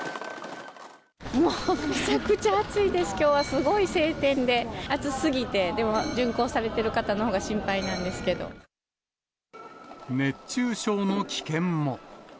もうめちゃくちゃ暑いです、きょうはすごい晴天で、暑すぎて、でも巡行されてる方のほうが心配熱中症の危険も。